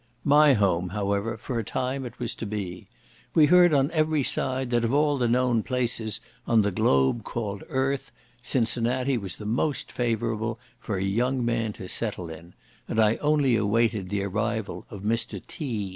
My home, however, for a time it was to be. We heard on every side, that of all the known places on "the globe called earth," Cincinnati was the most favourable for a young man to settle in; and I only awaited the arrival of Mr. T.